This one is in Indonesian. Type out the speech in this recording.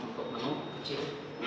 untuk menu kecil